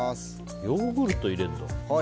ヨーグルト入れるんだ。